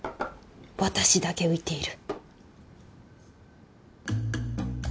私だけ浮いている